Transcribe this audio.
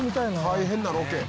「大変なロケ」